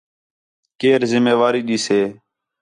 کیئر ذمہ واری ݙی سے